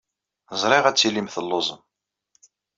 Ẓriɣ ad tilim telluẓem.